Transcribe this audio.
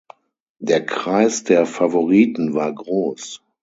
Der Kreis der Favoriten war groß.